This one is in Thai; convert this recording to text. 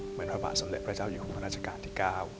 เหมือนพระบาทสำเด็จพระเจ้าเจ้าหัวตัวราชการที่๙